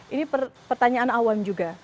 ini pertanyaan awal juga